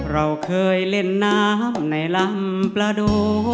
เราเคยเล่นน้ำในลำประดู